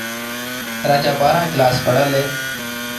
رآجآ ٻآهرآݩ ڪلآس پڙهل اهي۔